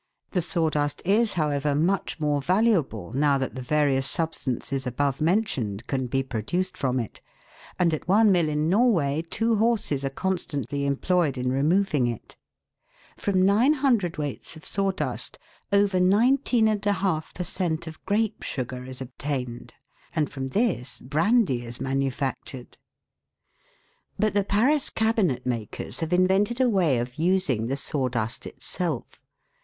The sawdust is, however, much more valuable, now that the various substances above mentioned can be produced u 306 THE WORLD'S LUMBER ROOM. from it, and at one mill in Norway two horses are constantly employed in removing it. From 9 cwts. of sawdust, over 19 \ per cent, of grape sugar is obtained, and from this brandy is manufactured. But the Paris cabinet makers have invented a way of using the sawdust itself.